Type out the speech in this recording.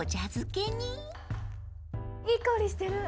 いい香りしてる。